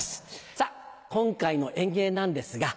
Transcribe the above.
さぁ今回の演芸なんですが。